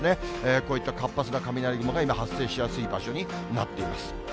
こういった活発な雷雲が今、発生しやすい場所になっています。